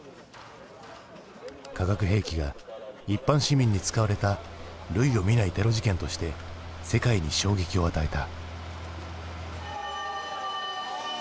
化学兵器が一般市民に使われた類を見ないテロ事件として世界に衝撃を与えた。